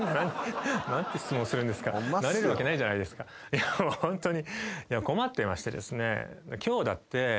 いやもうホントに。